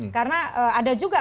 karena ada juga